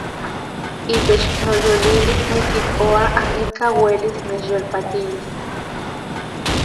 Itech noyolilis nikijoa amikaj uelis nechyolpatilis.